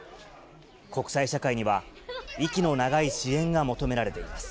国際社会には、息の長い支援が求められています。